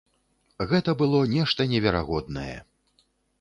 Гэта было нешта неверагоднае.